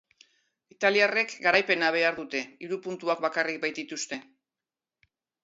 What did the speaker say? Italiarrek garaipena behar dute, hiru puntu bakarrik baitituzte.